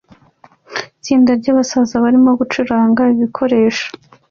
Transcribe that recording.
Itsinda ryabasaza barimo gucuranga ibikoresho